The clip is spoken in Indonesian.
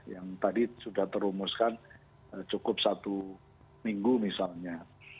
yang tadi sudah terumuskan cukup satu minggu misalnya